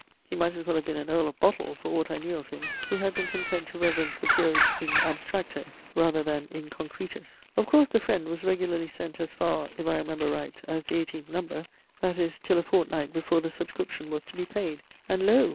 He might as well have been an Earl of Bottle, for aught I knew of him, who had been content to reverence the peerage in abstracto, rather than in concretis. Of course THE FRIEND was regularly sent as far, if I remember right, as the eighteenth number; that is, till a fortnight before the subscription was to be paid. And lo!